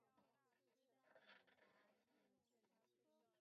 ار ۇباق ەستەن چىقبايىت ساباقتاشتار